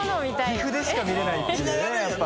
岐阜でしか見れないっていうねやっぱ。